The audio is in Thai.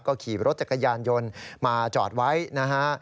ก็ขี่รถจักรยานยนต์มาจอดไว้นะฮะ